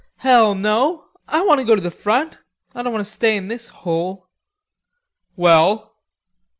"Hell, no! I want to go to the front. I don't want to stay in this hole." "Well?"